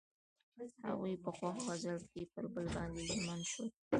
هغوی په خوښ غزل کې پر بل باندې ژمن شول.